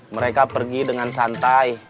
mereka pergi dengan santai